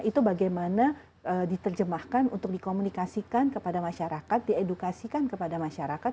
itu bagaimana diterjemahkan untuk dikomunikasikan kepada masyarakat diedukasikan kepada masyarakat